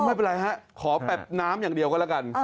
ไม่เป็นไรฮะขอแบบน้ำอย่างเดียวก็แล้วกัน